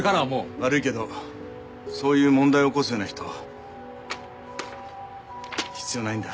悪いけどそういう問題起こすような人必要ないんだ。